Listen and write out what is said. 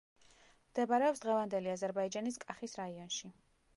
მდებარეობს დღევანდელი აზერბაიჯანის კახის რაიონში.